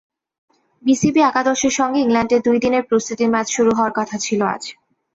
BCB একাদশের সঙ্গে ইংল্যান্ডের দুই দিনের প্রস্তুতি ম্যাচ শুরু হওয়ার কথা ছিল আজ।